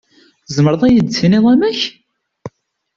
Tzemreḍ ad yi-d-tiniḍ amek?